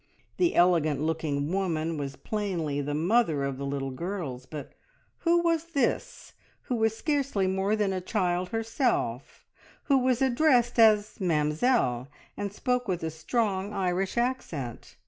The elegant looking woman was plainly the mother of the little girls, but who was this, who was scarcely more than a child herself, who was addressed as "Mamzelle" and spoke with a strong Irish accent?